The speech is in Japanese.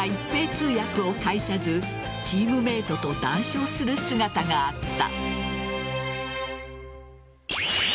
通訳を介さずチームメートと談笑する姿があった。